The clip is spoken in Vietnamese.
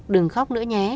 đừng khóc nữa nhé